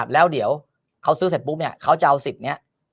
แล้วเดี๋ยวเขาซื้อเสร็จปุ๊บเขาจะเอาสิทธิ์นี้